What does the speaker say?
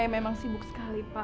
suami saya memang sibuk sekali pa